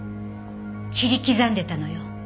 切り刻んでたのよ。